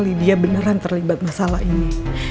lydia beneran terlibat masalah ini